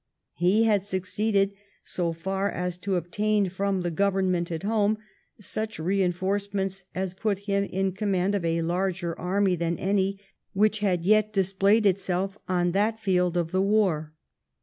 He had succeeded so far as to obtain from the Government at home such reinforce ments as put him in command of a larger army than any which had yet displayed itself on that field of the war.